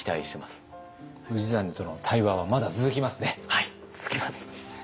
はい続きます。